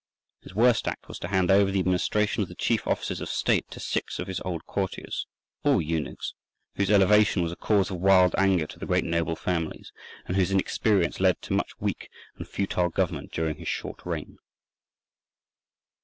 His worst act was to hand over the administration of the chief offices of state to six of his old courtiers—all eunuchs—whose elevation was a cause of wild anger to the great noble families, and whose inexperience led to much weak and futile government during his short reign.